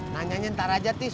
nanyanya ntar aja tis